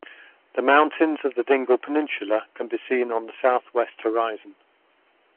The mountains of the Dingle Peninsula can be seen on the south west horizon.